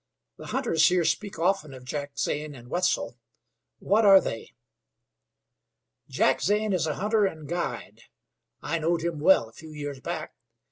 The hunters here speak often of Jack Zane and Wetzel. What are they?" "Jack Zane is a hunter an' guide. I knowed him well a few years back.